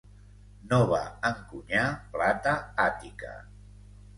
No va encunyar plata àtica.